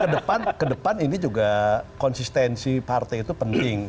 jadi ke depan konsistensi partai itu penting